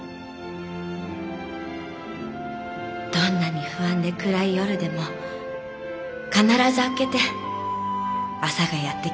どんなに不安で暗い夜でも必ず明けて朝がやって来ます。